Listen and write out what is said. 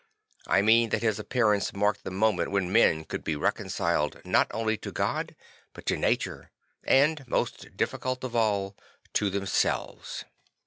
I mean that his appearance marked the moment when men could be reconciled not only to God but to nature and, most difficult of all, to themselves.